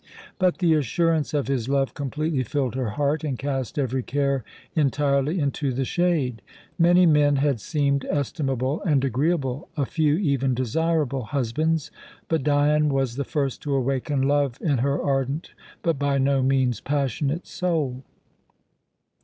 But the assurance of his love completely filled her heart and cast every care entirely into the shade. Many men had seemed estimable and agreeable, a few even desirable husbands, but Dion was the first to awaken love in her ardent but by no means passionate soul.